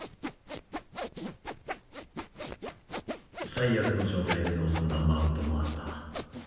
最悪の状態で臨んだマウンドもあった。